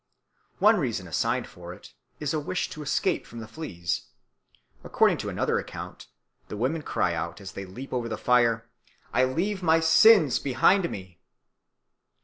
One reason assigned for it is a wish to escape from the fleas. According to another account, the women cry out, as they leap over the fire, "I leave my sins behind me."